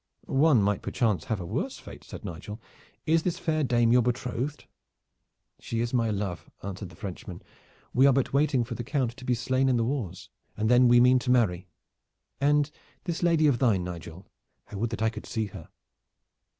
"One might perchance have a worse fate," said Nigel. "Is this fair dame your betrothed?" "She is my love," answered the Frenchman. "We are but waiting for the Count to be slain in the wars, and then we mean to marry. And this lady of thine, Nigel? I would that I could see her."